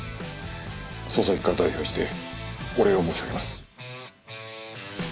捜査一課を代表してお礼を申し上げます。